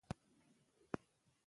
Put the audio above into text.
په افغانستان کې د وادي منابع شته.